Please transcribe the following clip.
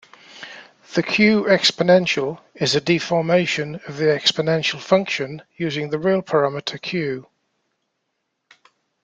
The "q"-exponential is a deformation of the exponential function using the real parameter "q".